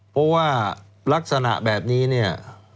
เพราะว่าลักษณะแบบนี้เนี่ย